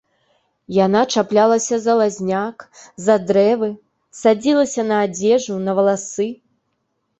Яна чаплялася за лазняк, за дрэвы, садзілася на адзежу, на валасы.